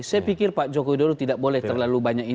saya pikir pak joko widodo tidak boleh terlalu banyak